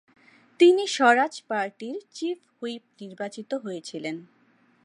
তিনি স্বরাজ পার্টির chief whip নির্বাচিত হয়েছিলেন।